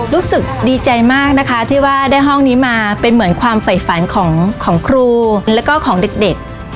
รู้สึกดีใจมากนะคะที่ว่าได้ห้องนี้มาเป็นเหมือนความฝ่ายฝันของครูแล้วก็ของเด็ก